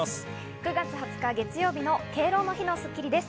９月２０日、月曜日の敬老の日の『スッキリ』です。